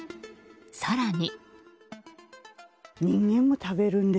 更に。